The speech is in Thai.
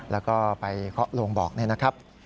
แล้วก็ไปเคาะโลงบอกนี่นะครับ